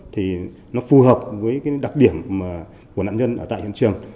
thì nó phù hợp với cái đặc điểm của nạn nhân ở tại hiện trường